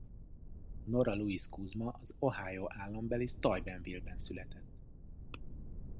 Nora Louise Kuzma az Ohio állambeli Steubenville-ben született.